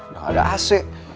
gak ada ac